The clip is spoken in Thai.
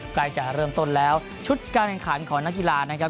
ใกล้จะเริ่มต้นแล้วชุดการแข่งขันของนักกีฬานะครับ